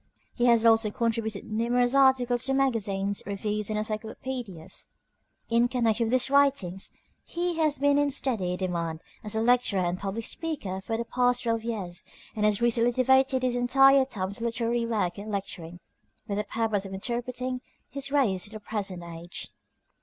He has also contributed numerous articles to magazines, reviews, and encyclopedias. In connection with his writings he has been in steady demand as a lecturer and public speaker for the past twelve years, and has recently devoted his entire time to literary work and lecturing, with the purpose of interpreting his race to the present age.